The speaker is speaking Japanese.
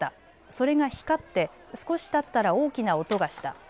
それが光って少したったら大きな音がした。